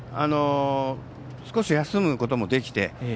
少し休むこともできて。